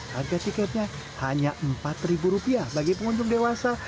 harga tiketnya hanya empat rupiah bagi pengunjung dewasa